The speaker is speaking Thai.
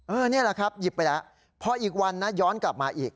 นี่แหละครับหยิบไปแล้วพออีกวันนะย้อนกลับมาอีก